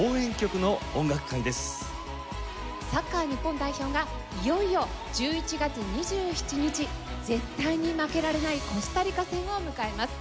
サッカー日本代表がいよいよ１１月２７日絶対に負けられないコスタリカ戦を迎えます。